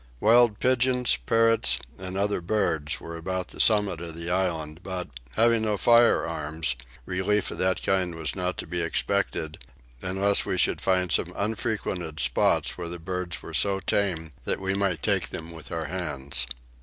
Wild pigeons, parrots, and other birds were about the summit of the island but, having no firearms, relief of that kind was not to be expected unless we should find some unfrequented spot where the birds were so tame that we might take them with our hands.